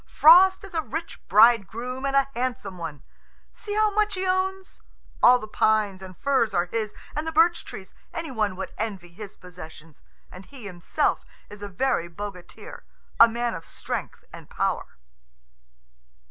"Frost is a rich bridegroom and a handsome one. See how much he owns. All the pines and firs are his, and the birch trees. Any one would envy his possessions, and he himself is a very bogatir, a man of strength and power."